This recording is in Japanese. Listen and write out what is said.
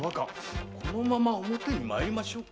このまま表に参りましょうか？